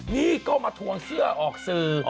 นี่ก็มาทวงเสื้อออกสื่อ